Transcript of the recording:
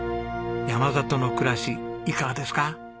山里の暮らしいかがですか？